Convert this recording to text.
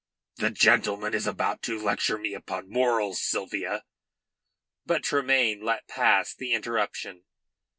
"The gentleman is about to lecture me upon morals, Sylvia." But Tremayne let pass the interruption.